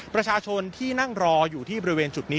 ประชาชนที่นั่งรออยู่ที่บริเวณจุดนี้